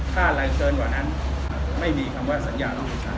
ถ้าอะไรเกินกว่านั้นไม่มีคำว่าสัญญาน้องปีชา